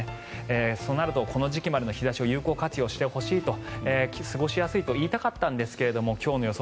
そうなるとこの時期までの日差しを有効活用してほしいと過ごしやすいと言いたかったんですが今日の予想